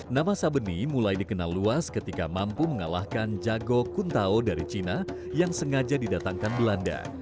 nama sabeni mulai dikenal luas ketika mampu mengalahkan jago kuntao dari cina yang sengaja didatangkan belanda